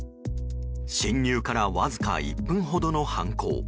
侵入からわずか１分ほどの犯行。